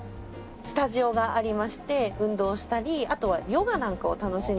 スタジオがありまして運動したりあとはヨガなんかを楽しんで頂く事ができます。